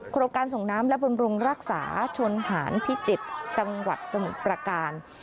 โครงการส่งน้ำและบำรุงรักษาชนหารพิจิตรจังหวัดสมุทรประการ